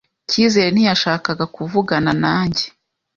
Cyizere ntiyashakaga kuvugana nanjye.